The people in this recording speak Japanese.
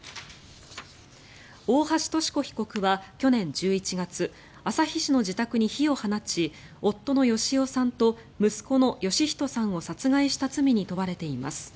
大橋とし子被告は去年１１月旭市の自宅に火を放ち夫の芳男さんと息子の芳人さんを殺害した罪に問われています。